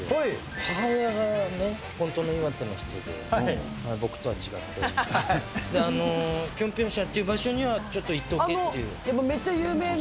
母親がね、本当の岩手の人で、僕とは違って、ぴょんぴょん舎っていう場所にはめっちゃ有名な。